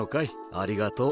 ありがとう。